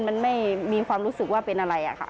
มันไม่มีความรู้สึกว่าเป็นอะไรอะค่ะ